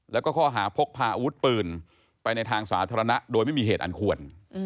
แล้วก็ข้อหาพกพาอาวุธปืนไปในทางสาธารณะโดยไม่มีเหตุอันควร